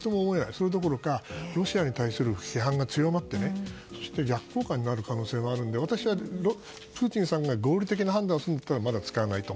それどころかロシアに対する批判が強まって逆効果になる可能性もあるので私はプーチンさんが合理的な判断をするならまだ使わないと。